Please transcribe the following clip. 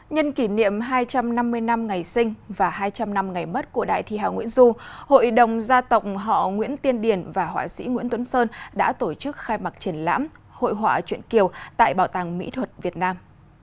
nhân kỷ niệm hai trăm năm mươi năm ngày sinh và hai trăm linh năm ngày mất của đại thi hào nguyễn du hội đồng gia tộc họ nguyễn tiên điển và họa sĩ nguyễn tuấn sơn đã tổ chức khai mạc triển lãm hội họa chuyện kiều tại bảo tàng mỹ thuật việt nam